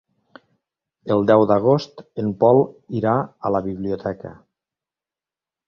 El deu d'agost en Pol irà a la biblioteca.